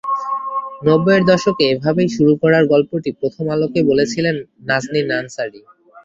নব্বইয়ের দশকে এভাবেই শুরু করার গল্পটি প্রথম আলোকে বলছিলেন নাজনীন আনসারী।